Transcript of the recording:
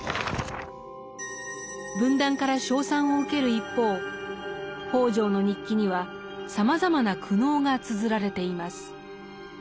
文壇から称賛を受ける一方北條の日記にはさまざまな苦悩がつづられています。